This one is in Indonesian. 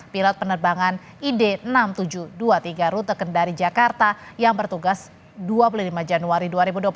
pilot penerbangan id enam ribu tujuh ratus dua puluh tiga rute kendari jakarta yang bertugas dua puluh lima januari dua ribu dua puluh tiga